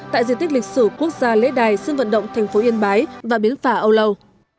tại di tích lịch sử quốc gia lễ đài sân vận động thành phố yên bái và biến phả âu lâu